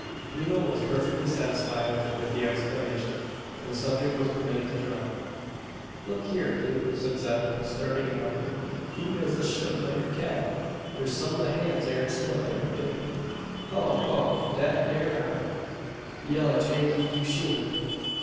Pluto was perfectly satisfied with the explanation, and the subject was permitted to drop. "Look hyur, Plute!" said Zeb, starting another. "Who does the shoein' o' yur cattle? Thars some o' the hands air a smith, I reck'n?" "Ho! ho! Dat dere am. Yella Jake he do shoein'.